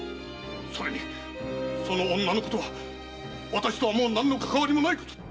それにその女のことは私とはもう何のかかわりもないことだ！